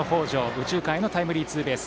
右中間へのタイムリーツーベース。